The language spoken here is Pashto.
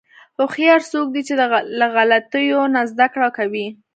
هوښیار څوک دی چې له غلطیو نه زدهکړه کوي.